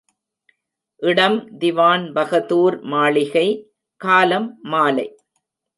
இடம் திவான்பகதூர் மாளிகை காலம் மாலை.